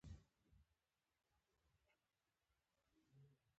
د یوه هوټل نوم مې چې مامورینو ښوولی وو، ګاډیوان ته ورکړ.